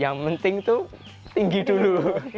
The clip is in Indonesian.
yang penting itu tinggi dulu